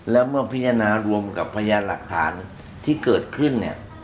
แล้วเมื่อพิจารณารวมกับพยานหลักฐานที่เกิดขึ้นเนี่ย